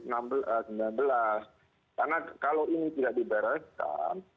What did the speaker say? karena kalau ini tidak dibereskan